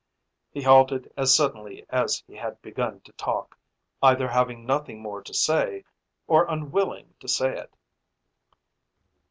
He halted as suddenly as he had begun to talk, either having nothing more to say, or unwilling to say it.